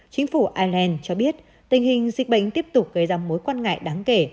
chính phủ ireland cho biết tình hình dịch bệnh tiếp tục gây ra mối quan ngại đáng kể